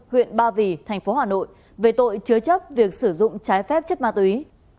huyện ba vì thành phố hà nội về tội chứa chấp việc sử dụng trái phép chất ma túy